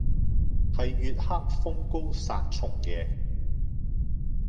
係月黑風高殺蟲夜